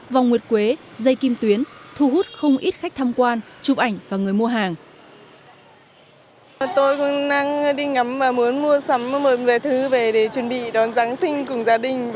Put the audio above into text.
vòng nguyệt quế dây kim tuyến thu hút không ít khách tham quan chụp ảnh và người mua hàng